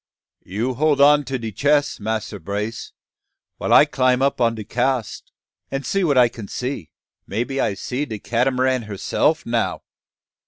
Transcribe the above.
"You hold on to de chess, Massa Brace, while I climb up on de cask, and see what I can see. May be I may see de Catamaran herseff now."